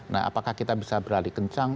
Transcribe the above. nah apakah kita bisa beralih kencang